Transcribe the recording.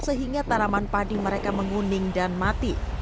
sehingga tanaman padi mereka menguning dan mati